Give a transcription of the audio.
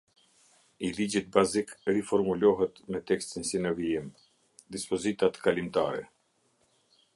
I ligjit bazik riformulohet me tekstin si në vijim: Dispozitat Kalimtare.